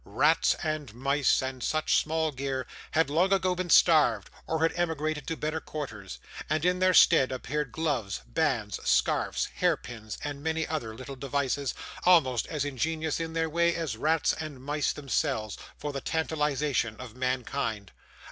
Rats and mice, and such small gear, had long ago been starved, or had emigrated to better quarters: and, in their stead, appeared gloves, bands, scarfs, hair pins, and many other little devices, almost as ingenious in their way as rats and mice themselves, for the tantalisation of mankind.